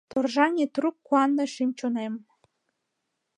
Торжаҥе трук куанле шӱм-чонем.